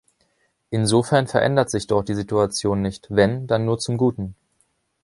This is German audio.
Insofern verändert sich dort die Situation nicht, wenn, dann nur zum Guten.